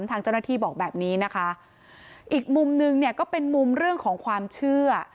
ทางเจ้าหน้าที่บอกแบบนี้นะคะอีกมุมนึงเนี่ยก็เป็นมุมเรื่องของความเชื่อ